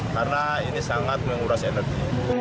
karena ini sangat menguras energi